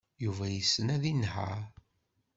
Yuba yessen ad yenheṛ.